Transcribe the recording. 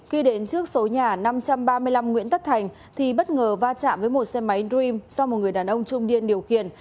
khi đến trước số nhà năm trăm ba mươi năm nguyễn tất thành thì bất ngờ va chạm với một xe máy dream do một người đàn ông trung điên điều khiển